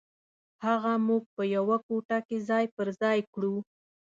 هغه موږ په یوه کوټه کې ځای پر ځای کړو.